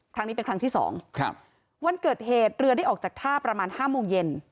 ครั้งนี้เป็นครั้งที่สองครับวันเกิดเหตุเรือได้ออกจากท่าประมาณห้าโมงเย็น